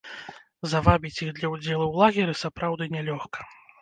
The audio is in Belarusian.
Завабіць іх для ўдзелу ў лагеры сапраўды нялёгка.